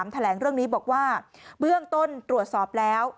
แถลงเรื่องนี้บอกว่าเบื้องต้นตรวจสอบแล้ว